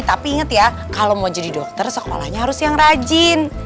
tapi ingat ya kalau mau jadi dokter sekolahnya harus yang rajin